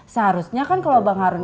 seharusnya kan kalau bang harun